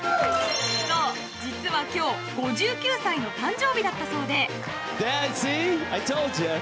実は今日５９歳の誕生日だったそうで。